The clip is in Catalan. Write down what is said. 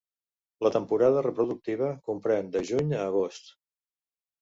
La temporada reproductiva comprèn de juny a agost.